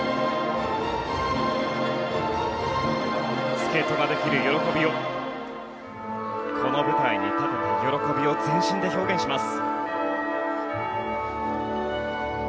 スケートができる喜びをこの舞台に立てた喜びを全身で表現します。